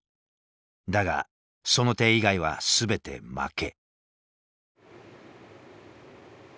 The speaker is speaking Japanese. だがその手以外は全て負け。